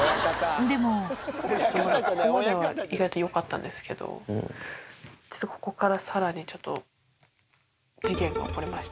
ここまでは意外とよかったんですけど、実は、ここからさらにちょっと、事件が起こりまして。